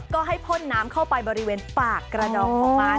ก็ให้พ่นน้ำเข้าไปบริเวณปากกระดองของมัน